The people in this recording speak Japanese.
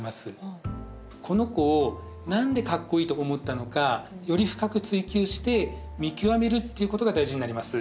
この子を何でかっこいいと思ったのかより深く追求して見極めるっていうことが大事になります。